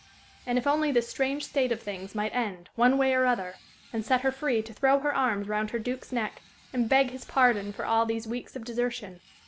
And if only this strange state of things might end, one way or other, and set her free to throw her arms round her Duke's neck, and beg his pardon for all these weeks of desertion!